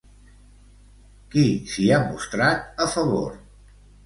Qui s'hi ha mostrat a favor?